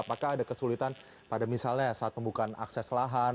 apakah ada kesulitan pada misalnya saat pembukaan akses lahan